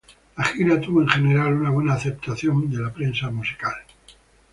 La gira tuvo en general una buena aceptación de la prensa musical.